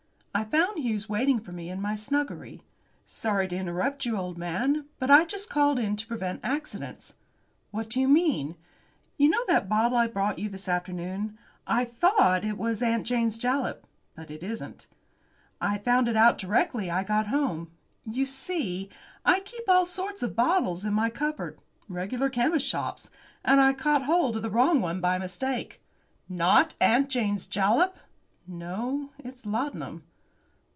I found Hughes waiting for me in my snuggery. "Sorry to interrupt you, old man, but I just called in to prevent accidents." "What do you mean?" "You know that bottle I brought you this afternoon. I thought it was 'Aunt Jane's Jalap,' but it isn't. I found it out directly I got home. You see, I keep all sorts of bottles in my cupboard regular chemist's shop! and I caught hold of the wrong one by mistake." "Not 'Aunt Jane's Jalap!'" "No, it's laudanum."